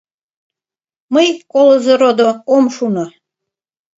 Мый, колызо родо, ом шуно